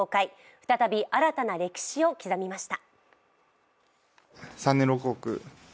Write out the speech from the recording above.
再び新たな歴史を刻みました。